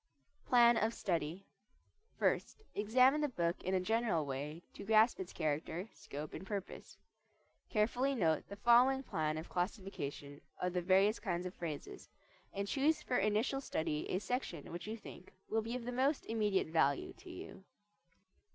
PLAN OF STUDY First examine the book in a general way to grasp its character, scope, and purpose. Carefully note the following plan of classification of the various kinds of phrases, and choose for initial study a section which you think will be of the most immediate value to you.